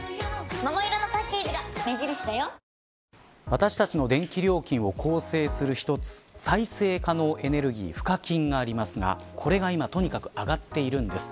私たちの電気料金を構成する一つ再生可能エネルギー賦課金がありますがこれが今、とにかく上がっているんです。